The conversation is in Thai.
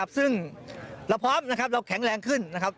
ซึ่งเราพร้อมนะครับเราแข็งแรงขึ้นนะครับ